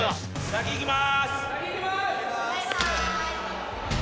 先いきます